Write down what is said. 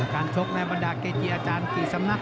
ชกในบรรดาเกจีอาจารย์กี่สำนัก